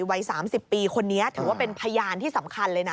วัย๓๐ปีคนนี้ถือว่าเป็นพยานที่สำคัญเลยนะ